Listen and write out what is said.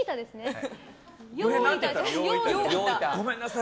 ごめんなさい。